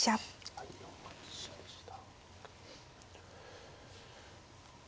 はい４八飛車でした。